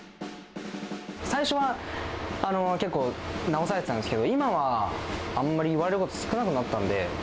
最初は結構直されてたんですけど、今はあんまり言われること、少なくなったんで。